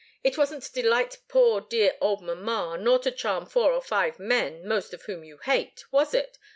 "It wasn't to delight poor dear old mamma, nor to charm four or five men, most of whom you hate was it?